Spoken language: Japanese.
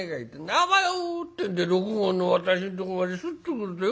あばよ』ってんで六郷の渡しんとこまでスッと来るとよ